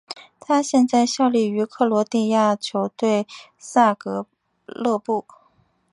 他现在效力于克罗地亚球队萨格勒布。